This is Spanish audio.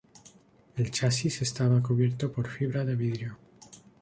El chasis estaba cubierto por fibra de vidrio.